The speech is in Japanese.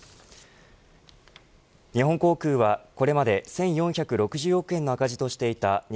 日本航空はこれまで１４６０億円の赤字としていた